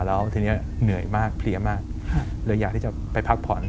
แล้วทีนี้เหนื่อยมากเพลียมากเลยอยากที่จะไปพักผ่อน